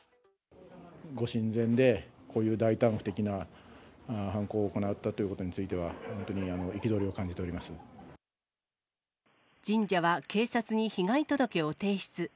ご神前で、こういう大胆不敵な犯行を行ったということについては、本当に憤神社は警察に被害届を提出。